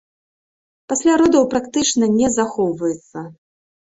Пасля родаў практычна не захоўваецца.